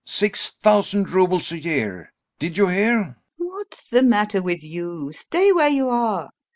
Six thousand roubles a year.... Did you hear? LUBOV. What's the matter with you! Stay where you are....